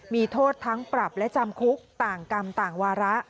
มีโทษทั้งปรับและจำคุกต่างกรรมต่างวาระ